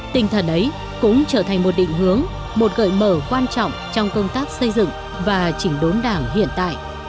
tinh thần ấy cũng trở thành một định hướng một gợi mở quan trọng trong công tác xây dựng và chỉnh đốn đảng hiện tại